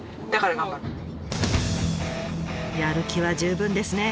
やる気は十分ですね。